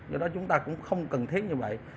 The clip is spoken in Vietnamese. do đó chúng ta cũng không cần thiết như vậy